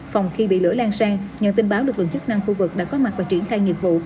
phòng khi bị lửa lan sang nhận tin báo lực lượng chức năng khu vực đã có mặt và triển khai nghiệp vụ